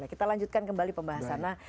kita lanjutkan kembali pembahasan